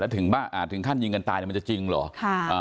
แล้วถึงบ้าอ่าถึงขั้นยิงกันตายเนี่ยมันจะจริงเหรอค่ะอ่า